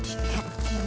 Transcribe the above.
iya makasih bu